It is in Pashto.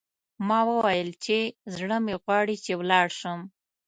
ما وویل چې، زړه مې غواړي چې ولاړ شم.